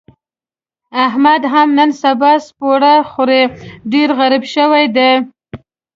احمد هم نن سبا سپوره خوري، ډېر غریب شوی دی.